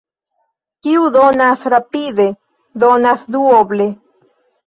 Kiu donas rapide, donas duoble.